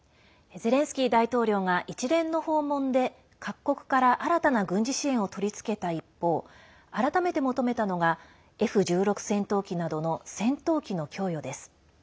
ゼレンスキー大統領が一連の訪問で各国から軍事支援を求めた一方改めて求めたのがＦ１６戦闘機などの戦闘機の供与です。